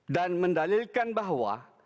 dan mendalilkan bahwa